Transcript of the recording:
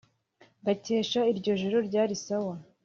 ngakesha iryo joro ryari sawa